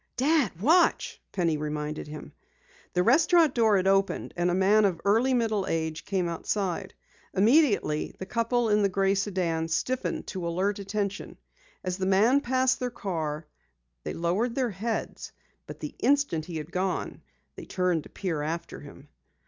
"Dad, watch!" Penny reminded him. The restaurant door had opened, and a man of early middle age came outside. Immediately the couple in the gray sedan stiffened to alert attention. As the man passed their car they lowered their heads, but the instant he had gone on, they turned to peer after him.